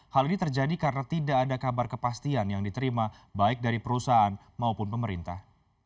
hal ini terjadi karena tidak ada kabar kepastian yang diterima baik dari perusahaan maupun pemerintah